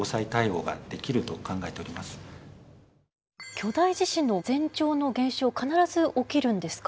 巨大地震の前兆の現象必ず起きるんですか？